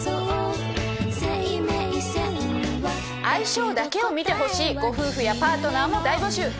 相性だけを見てほしいご夫婦やパートナーも大募集。